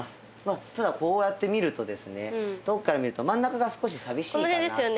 ただこうやって見るとですね遠くから見ると真ん中が少し寂しいかなと思います。